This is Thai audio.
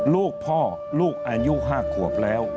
ลูกพ่อลูกอายุ๕ขวบแล้ว